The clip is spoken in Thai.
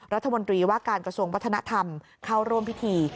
รัฐมนตรีว่าการกระทรวงวัฒนธรรมเข้าร่วมพิธี